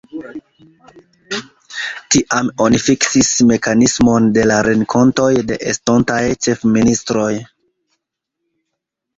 Tiam oni fiksis mekanismon de la renkontoj de estontaj ĉefministroj.